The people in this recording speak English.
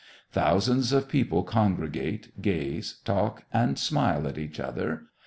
Thousands of people congregate, gaze, talk, and smile at each other.